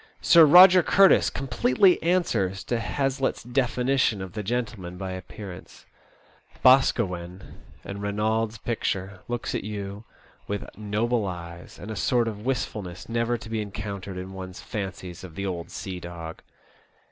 Sir Eoger Curtis completely answers to Hazlitt's definition of the gentle man by appearance. Boscawen, in Eeynolds* picture, looks at you with noble eyes, and a sort of wistfulness never to be encountered in one*s fancies of the old sea dog.